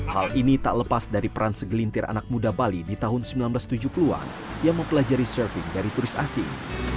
hal ini tak lepas dari peran segelintir anak muda bali di tahun seribu sembilan ratus tujuh puluh an yang mempelajari surfing dari turis asing